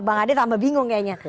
bang ade tambah bingung kayaknya